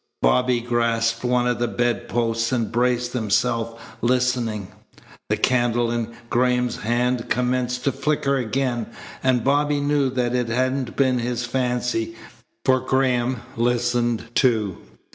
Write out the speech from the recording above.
Bobby grasped one of the bed posts and braced himself, listening. The candle in Graham's hand commenced to flicker again, and Bobby knew that it hadn't been his fancy, for Graham listened, too.